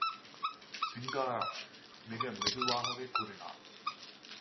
சிங்காரம்... மிக மெதுவாகவே கூறினான்.